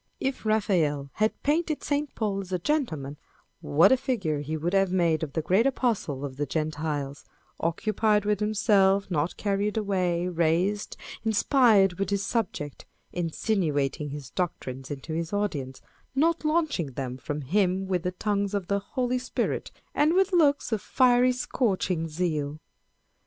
If Raphael had painted St. Paul as a gentleman, what a figure he would have made of the great Apostle of the Gentiles â€" occupied with himself, not carried away, raised, inspired with his subject â€" insinuating his doctrines into his audience, not launching them from him with the tongues of the Holy Spirit, and with looks of fiery scorching zeal